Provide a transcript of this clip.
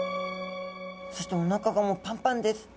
そしておなかがもうパンパンです。